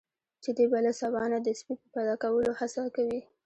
چې دی به له سبا نه د سپي د پیدا کولو هڅه کوي.